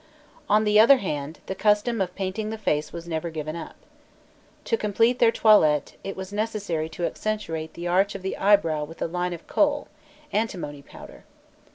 On the other hand, the custom of painting the face was never given up. To complete their toilet, it was necessary to accentuate the arch of the eyebrow with a line of kohl (antimony powder).